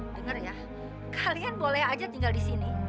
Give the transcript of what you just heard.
dengar ya kalian boleh aja tinggal di sini